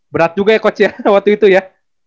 berat juga ya coachnya waktu itu ya